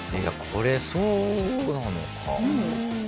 これそうなのか。